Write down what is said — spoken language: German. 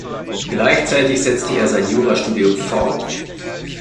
Gleichzeitig setzte er sein Jurastudium fort.